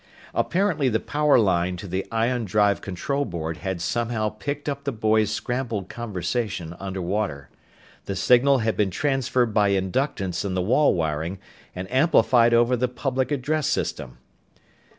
Apparently the power line to the ion drive control board had somehow picked up the boys' scrambled conversation underwater. The signal had been transferred by inductance in the wall wiring and amplified over the public address system.